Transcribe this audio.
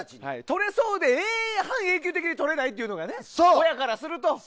取れそうで半永久的に取れないというのが親からすると。